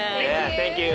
サンキュー。